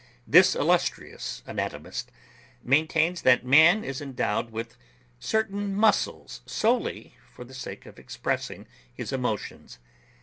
This illustrious anatomist maintains that man is endowed with certain muscles solely for the sake of expressing his emotions.